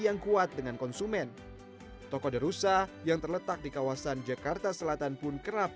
yang kuat dengan konsumen toko derusa yang terletak di kawasan jakarta selatan pun kerap